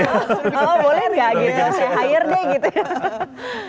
oh boleh nggak hire deh gitu ya